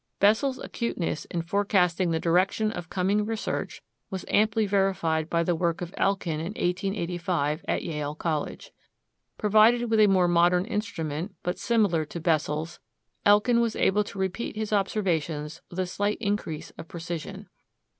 Bessel's acuteness in forecasting the direction of coming research was amply verified by the work of Elkin in 1885 at Yale College. Provided with a more modern instrument, but similar to Bessel's, Elkin was able to repeat his observations with a slight increase of precision.